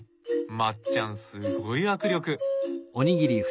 まっちゃんすごい握力。